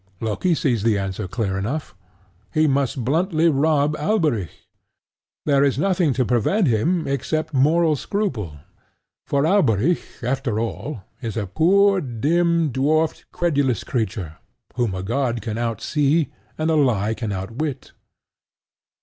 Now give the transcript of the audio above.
Loki sees the answer clearly enough: he must bluntly rob Alberic. There is nothing to prevent him except moral scruple; for Alberic, after all, is a poor, dim, dwarfed, credulous creature whom a god can outsee and a lie can outwit.